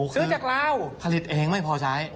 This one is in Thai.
ซื้อจากลาวผลิตเองไม่พอใช้